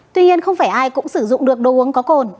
tuy nhiên không phải ai cũng sử dụng được đồ uống có cồn